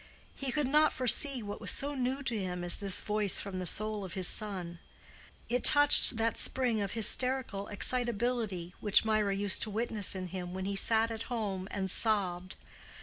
He could not foresee what was so new to him as this voice from the soul of his son. It touched that spring of hysterical excitability which Mirah used to witness in him when he sat at home and sobbed.